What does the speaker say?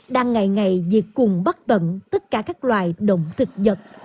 đang ngày ngày việc cùng bắt tận tất cả các loài đồng thực vật